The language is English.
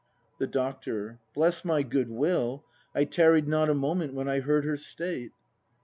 The Doctor. Bless my goodwill! I tarried not A moment when I heard her state.